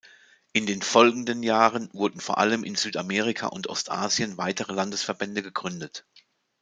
In den folgenden Jahren wurden vor allem in Südamerika und Ostasien weitere Landesverbände gegründet.